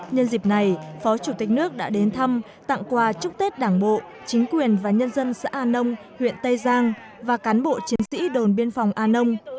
nhân dịp này phó chủ tịch nước đã đến thăm tặng quà chúc tết đảng bộ chính quyền và nhân dân xã an nông huyện tây giang và cán bộ chiến sĩ đồn biên phòng an nông